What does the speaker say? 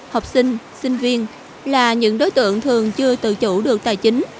học sinh sinh viên là những đối tượng thường chưa tự chủ được tài chính